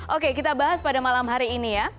oke kita bahas pada malam hari ini ya